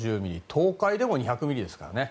東海でも２００ミリですからね。